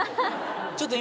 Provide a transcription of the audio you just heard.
ちょっと今。